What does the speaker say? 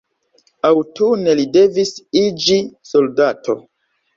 Aŭtune li devis iĝi soldato.